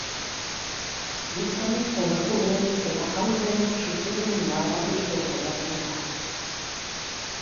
Gizon, emakume eta haurren sufrimendua erakusten saiatzen da.